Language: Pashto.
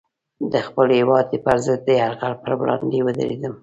د خپل هېواد پر ضد د یرغل پر وړاندې ودرېدم.